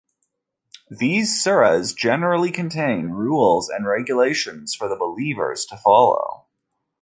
These suras generally contain rules and regulations for the believers to follow.